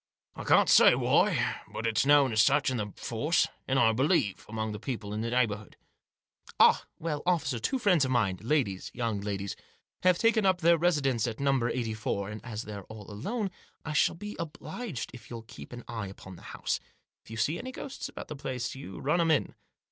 " I can't say why ; but it's known as such, in the force, and, I believe, among the people in the neigh bourhood." " Ah ! Well, officer, two friends of mine — ladies — young ladies — have taken up their residence at No. 84, and as they're all alone I shall be obliged if you'll keep an eye upon the house. If you see any ghosts about the place you run 'em in."